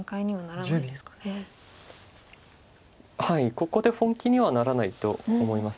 ここで本気にはならないと思います。